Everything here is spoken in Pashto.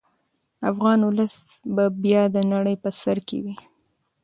افغان ولس به بیا د نړۍ په سر کې وي.